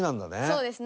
そうです。